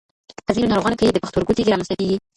په ځینو ناروغانو کې د پښتورګو تېږې رامنځته کېږي.